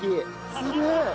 すげえ！